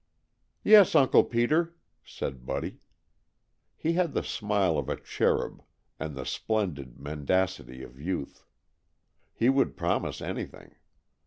"Yes, Uncle Peter," said Buddy. He had the smile of a cherub and the splendid mendacity of youth. He would promise anything.